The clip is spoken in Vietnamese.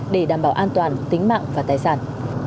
để đảm bảo an toàn tính mạng và tài sản